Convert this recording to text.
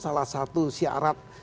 salah satu syarat